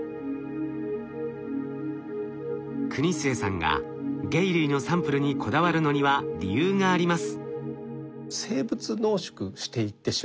国末さんが鯨類のサンプルにこだわるのには理由があります。